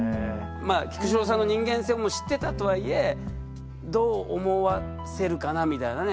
菊紫郎さんの人間性も知ってたとはいえどう思わせるかなみたいなね。